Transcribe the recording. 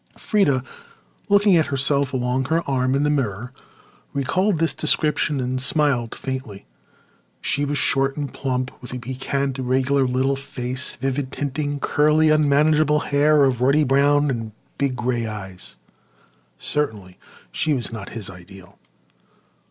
Freda, looking at herself along her arm in the mirror, recalled this description and smiled faintly. She was short and plump, with a piquant, irregular little face, vivid tinting, curly, unmanageable hair of ruddy brown, and big grey eyes. Certainly, she was not his ideal.